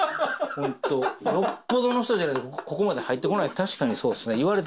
よっぽどの人じゃないと、ここまで入ってこない。